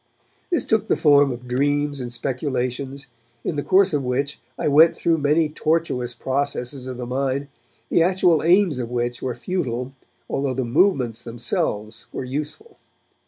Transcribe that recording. This took the form of dreams and speculations, in the course of which I went through many tortuous processes of the mind, the actual aims of which were futile, although the movements themselves were useful.